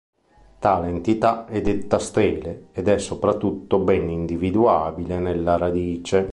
Tale entità è detta stele ed è soprattutto ben individuabile nella radice.